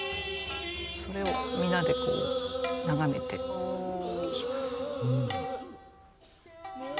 それを皆でこう眺めていきます。